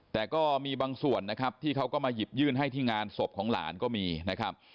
แต่ก็มีบางส่วนนะครับที่เขาก็มาหยิบยื่นให้ที่งานศพของหลานก็มีนะครับ